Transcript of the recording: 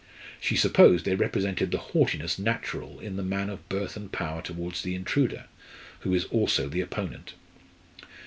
She supposed they represented the haughtiness natural in the man of birth and power towards the intruder, who is also the opponent.